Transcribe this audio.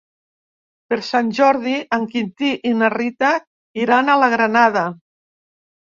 Per Sant Jordi en Quintí i na Rita iran a la Granada.